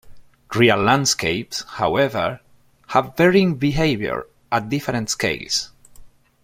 Real landscapes however, have varying behaviour at different scales.